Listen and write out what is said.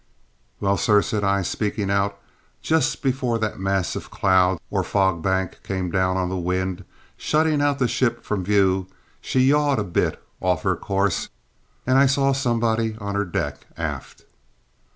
"Well, sir," said I, speaking out, "just before that mass of clouds or fog bank came down on the wind, shutting out the ship from view, she yawed a bit off her course, and I saw somebody on her deck aft."